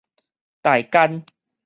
台奸